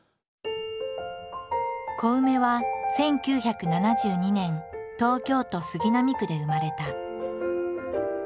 コウメは１９７２年東京都杉並区で生まれた。